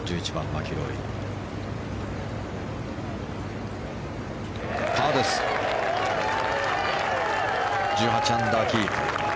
１８アンダーキープ。